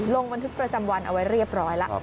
ลงบันทึกประจำวันเอาไว้เรียบร้อยแล้ว